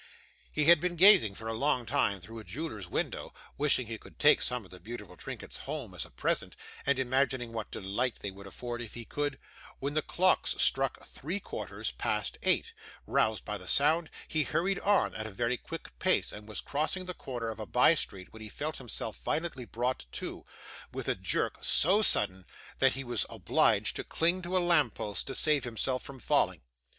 He had been gazing for a long time through a jeweller's window, wishing he could take some of the beautiful trinkets home as a present, and imagining what delight they would afford if he could, when the clocks struck three quarters past eight; roused by the sound, he hurried on at a very quick pace, and was crossing the corner of a by street when he felt himself violently brought to, with a jerk so sudden that he was obliged to cling to a lamp post to save himself from falling.